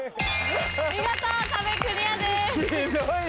見事壁クリアです。